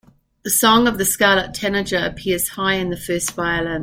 The song of the scarlet tanager appears high in the first violin.